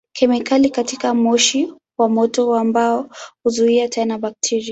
Kemikali katika moshi wa moto wa mbao huzuia tena bakteria.